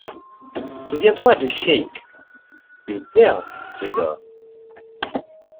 Souviens-toi de Cheik, une perle ce gars.